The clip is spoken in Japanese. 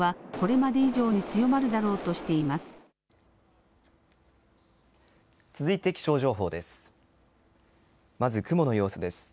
まず雲の様子です。